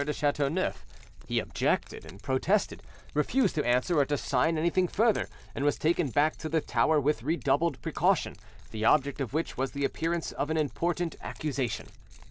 de Chateauneuf: he objected and protested, refused to answer or to sign anything further, and was taken back to the Tower with redoubled precaution, the object of which was the appearance of an important accusation.